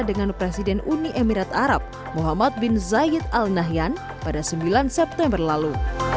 dengan presiden uni emirat arab muhammad bin zayed al nahyan pada sembilan september lalu